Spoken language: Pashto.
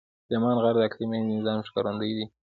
سلیمان غر د اقلیمي نظام ښکارندوی دی.